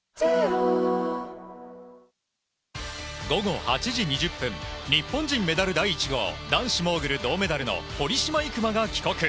午後８時２０分、日本人メダル第１号、男子モーグル銅メダルの堀島行真が帰国。